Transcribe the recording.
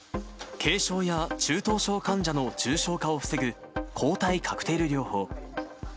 軽症や中等症患者の重症化を防ぐ抗体カクテル療法。